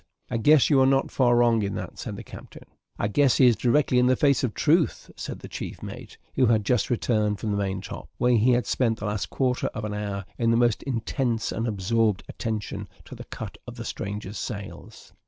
"I guess you are not far wrong in that," said the captain. "I guess he is directly in the face of the truth," said the chief mate, who had just returned from the main top, where he had spent the last quarter of an hour in the most intense and absorbed attention to the cut of the stranger's sails.